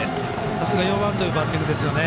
さすが４番というバッティングですね。